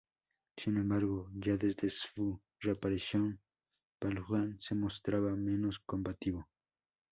Sin embargo, ya desde su reaparición, Paulhan se mostraba menos combativo.